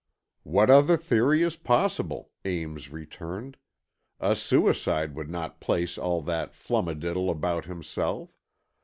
"What other theory is possible?" Ames returned. "A suicide would not place all that flumadiddle about himself.